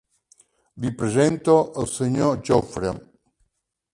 Li presento el senyor Jofre.